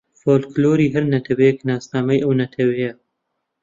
فۆلکلۆری هەر نەتەوەیێک ناسنامەی ئەو نەتەوەیە